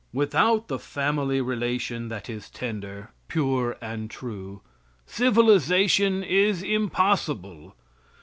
Without the family relation that is tender, pure and true, civilization is impossible.